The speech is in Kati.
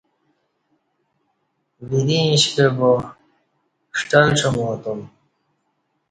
وری اش کعہ با ݜٹلہ ڄماتوم